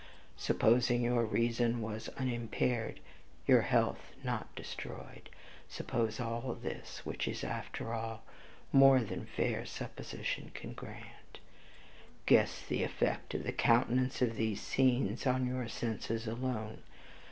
Supposing your reason was unimpaired, your health not destroyed, suppose all this, which is, after all, more than fair supposition can grant, guess the effect of the continuance of these scenes on your senses alone.